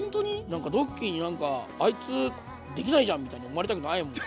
なんかドッキーになんかあいつできないじゃんみたいに思われたくないもん。